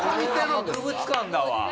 博物館だわ。